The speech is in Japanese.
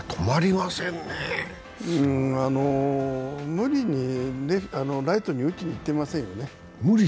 無理にライトに打ちにいってませんね。